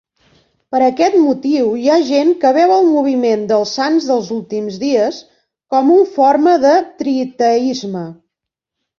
Per aquest motiu, hi ha gent que veu el moviment dels Sants dels Últims Dies com un forma de triteisme.